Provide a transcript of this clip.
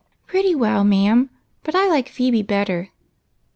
" Pretty well, ma'am ; but I like Phebe better."